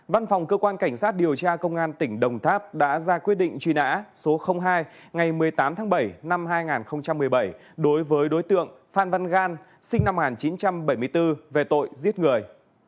văn phòng cơ quan cảnh sát điều tra công an tỉnh đồng tháp đã ra quyết định truy nã số hai ngày một mươi tám tháng bảy năm hai nghìn một mươi bảy đối với đối tượng phan văn gan sinh năm một nghìn chín trăm bảy mươi bốn về tội giết người